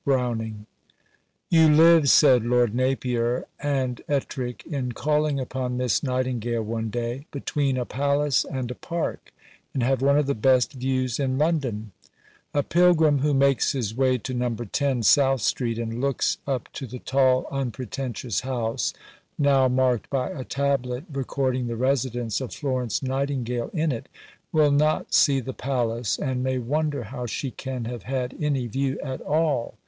BROWNING. "You live," said Lord Napier and Ettrick, in calling upon Miss Nightingale one day, "between a Palace and a Park, and have one of the best views in London." A pilgrim who makes his way to No. 10 South Street and looks up to the tall, unpretentious house, now marked by a tablet recording the residence of Florence Nightingale in it, will not see the Palace, and may wonder how she can have had any view at all.